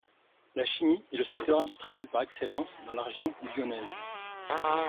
La Chimie est le secteur industriel par excellence dans la région lyonnaise.